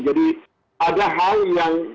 jadi ada hal yang